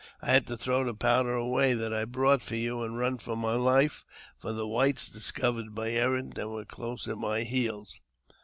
I had to throw the powder away that I brought for you, and run for my life ; for the whites discovered my errand, and were close at my heels."